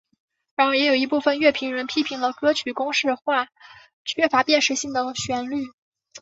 然而也有一部分乐评人批评了歌曲公式化缺乏辨识性的旋律。